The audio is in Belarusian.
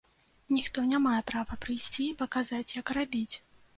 Ніхто не мае права прыйсці і паказаць, як рабіць.